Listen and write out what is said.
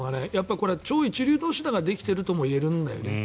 これは超一流同士だからできてるとも言えるんだよね。